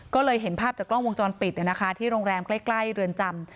ก็เลยเห็นภาพจากกล้องวงจรปิดเนี้ยนะคะที่โรงแรมใกล้ใกล้เรือนจำ